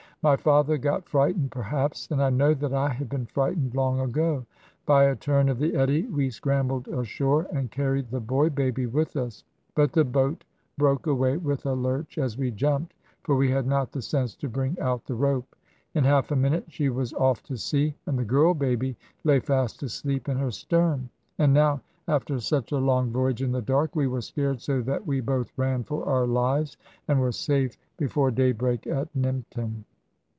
My father got frightened perhaps; and I know that I had been frightened long ago. By a turn of the eddy, we scrambled ashore, and carried the boy baby with us; but the boat broke away with a lurch as we jumped, for we had not the sense to bring out the rope. In half a minute she was off to sea, and the girl baby lay fast asleep in her stern. And now after such a long voyage in the dark, we were scared so that we both ran for our lives, and were safe before daybreak at Nympton.